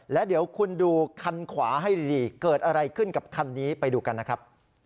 แล้วเดี๋ยวคุณดูคันขวาให้ดีเกิดอะไรขึ้นกับคันนี้ไปดูกันนะครับ